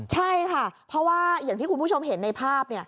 ใช่ค่ะเพราะว่าอย่างที่คุณผู้ชมเห็นในภาพ